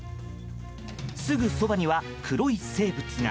すぐそばには、黒い生物が。